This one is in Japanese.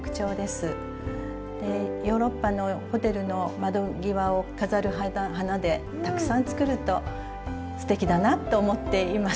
ヨーロッパのホテルの窓際を飾る花でたくさん作るとすてきだなっと思っていますが。